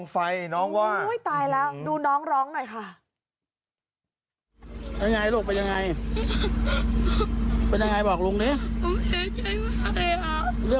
ไฟไหม้คุยกับตอนต้นอะใช่เห็นใจ